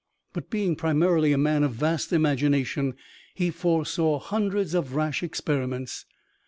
But, being primarily a man of vast imagination, he foresaw hundreds of rash experiments.